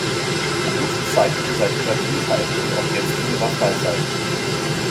Ruth zeichnete seit ihrer Kindheit und auch jetzt in ihrer Freizeit.